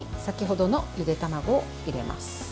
この中に先ほどのゆで卵を入れます。